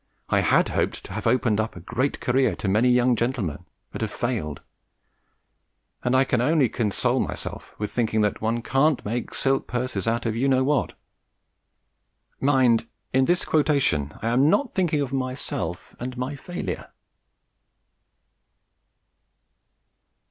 I had hoped to have opened up a great career to many young gentlemen, but have failed; and I can only console myself with thinking that one can't make silk purses out of you know what. Mind, in this quotation I am not thinking of myself and my failure.